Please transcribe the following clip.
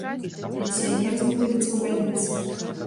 Пенсіянер знаходзіцца ў бальніцы.